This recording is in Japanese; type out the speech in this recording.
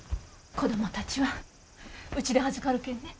子どもたちはうちで預かるけんね。